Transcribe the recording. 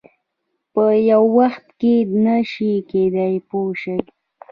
په یو وخت کې نه شي کېدای پوه شوې!.